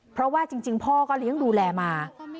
เพราะว่าจริงพ่อก็เลี้ยงดูแลมา